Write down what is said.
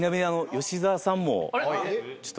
吉沢さん